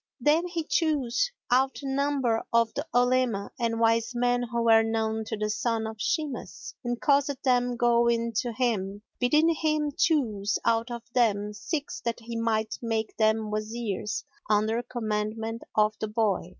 Then he chose out a number of the Olema and wise men who were known to the son of Shimas, and caused them go in to him, bidding him choose out of them six that he might make them Wazirs under commandment of the boy.